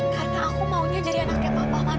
karena aku maunya jadi anaknya papa man